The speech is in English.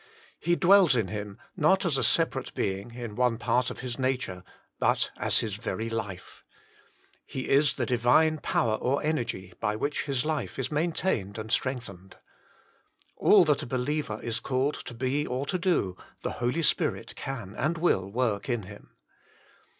He dwells in him, not as a separate Being in one part of his nature, but as his very life. He is the Divine power or energy by which his life is maintained and 116 THE SPIRIT OF SUPPLICATION 117 strengthened. All that a believer is called to be or to do, the Holy Spirit can and will work in him.